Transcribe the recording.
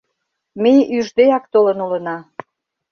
Ме ӱждеак толын улына.